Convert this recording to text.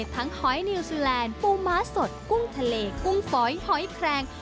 หอยนิวซีแลนด์ปูม้าสดกุ้งทะเลกุ้งฝอยหอยแครง